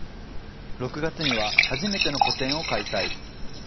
６月には初めての個展を開催。